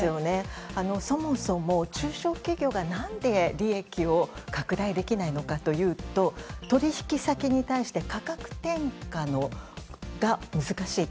そもそも中小企業が何で利益を拡大できないのかというと取引先に対して価格転嫁が難しいと。